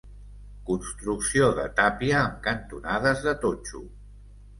Construcció de tàpia amb cantonades de totxo.